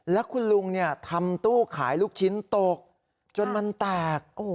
แล้วคุณลุงทำตู้ขายลูกชิ้นตกจนมันแตก